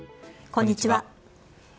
こんにちは。